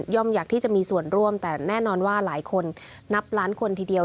อยากที่จะมีส่วนร่วมแต่แน่นอนว่าหลายคนนับล้านคนทีเดียว